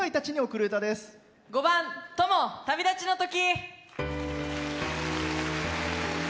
５番「友旅立ちの時」。